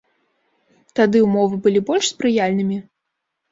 Тады ўмовы былі больш спрыяльнымі?